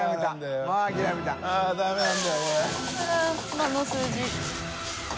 魔の数字。